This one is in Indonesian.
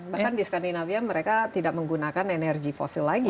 bahkan di skandinavia mereka tidak menggunakan energi fosil lagi